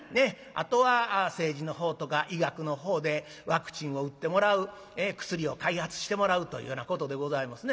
あとは政治のほうとか医学のほうでワクチンを打ってもらう薬を開発してもらうというようなことでございますね。